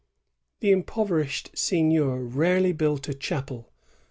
The impoverished seignior rarely built a chapel.